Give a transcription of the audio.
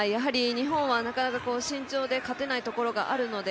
日本はなかなか身長で勝てないところがあるので